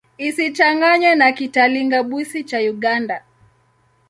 Isichanganywe na Kitalinga-Bwisi cha Uganda.